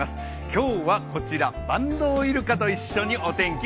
今日はこちら、バンドウイルカと一緒にお天気